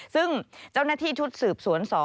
ซึ่งเจ้าหน้าที่ชุดสืบสวน๒